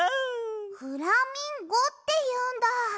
フラミンゴっていうんだ。